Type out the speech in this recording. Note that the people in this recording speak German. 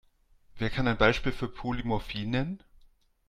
Wer kann ein Beispiel für Polymorphie nennen?